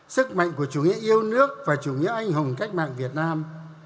sức mạnh của chủ nghĩa yêu nước và chủ nghĩa anh hùng cách mạng việt nam